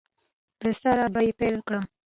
له سره به یې پیل کړم